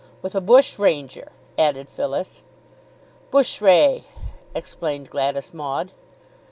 "With a bushranger," added Phyllis. "Bush ray," explained Gladys Maud.